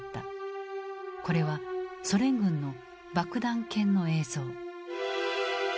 これはソ連軍の「爆弾犬」の映像。